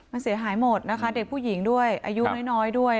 มันเสียหายหมดนะคะเด็กผู้หญิงด้วยอายุน้อยด้วย